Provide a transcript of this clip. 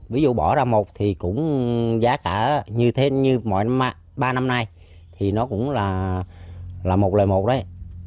ví dụ bỏ ra một thì cũng giá cả như thế như mọi năm ba năm nay thì nó cũng là một loại một đấy